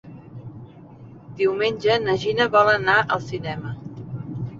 Diumenge na Gina vol anar al cinema.